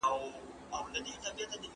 ما ته وويل سول چي د مطالعې وخت وټاکم.